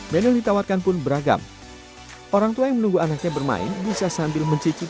menu yang ditawarkan pun beragam orang tua yang menunggu anaknya bermain bisa sambil mencicip